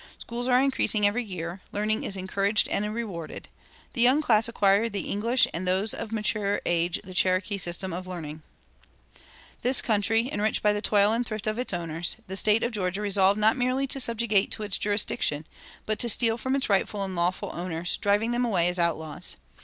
Schools are increasing every year; learning is encouraged and rewarded; the young class acquire the English and those of mature age the Cherokee system of learning."[266:1] This country, enriched by the toil and thrift of its owners, the State of Georgia resolved not merely to subjugate to its jurisdiction, but to steal from its rightful and lawful owners, driving them away as outlaws.